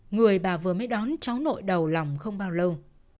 người bà vừa mới đón cháu nội đồng lòng không bao lâu